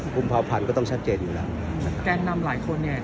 กุมภาพันธ์ก็ต้องชัดเจนอยู่แล้วแกนนำหลายคนเนี่ย